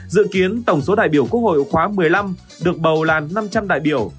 dự kiến tổng số đại biểu quốc hội khóa một mươi năm được bầu là năm trăm linh đại biểu